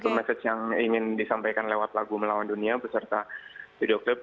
itu message yang ingin disampaikan lewat lagu melawan dunia beserta video clip